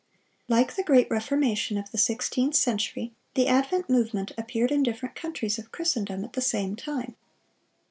Like the great Reformation of the sixteenth century, the Advent Movement appeared in different countries of Christendom at the same time.